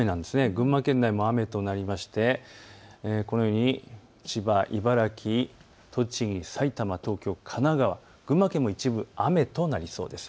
群馬県内も雨となりましてこのように千葉、茨城、栃木、埼玉、東京、神奈川、群馬県も一部雨となりそうです。